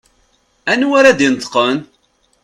Anwa ara d-ineṭṭqen?